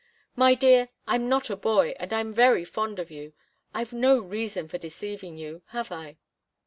My dear I'm not a boy, and I'm very fond of you I've no reason for deceiving you, have I?"